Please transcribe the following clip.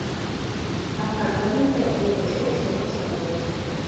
Apkārt baznīcai ir koka žogs mūra stabos.